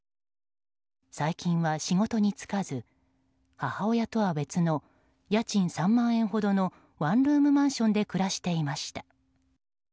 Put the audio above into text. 最近は仕事に就かず母親とは別の家賃３万円ほどのワンルームマンションで暮らしていました。